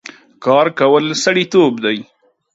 کار کول سړيتوب دی